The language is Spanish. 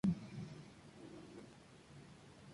Más tarde entró en las categorías inferiores del Partizan.